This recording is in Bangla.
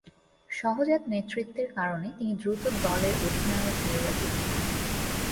সহজাত নেতৃত্বের কারণে তিনি দ্রুত দলের অধিনায়ক নির্বাচিত হন।